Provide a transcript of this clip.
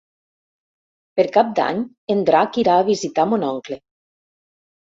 Per Cap d'Any en Drac irà a visitar mon oncle.